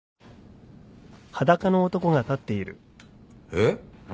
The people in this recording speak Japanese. えっ？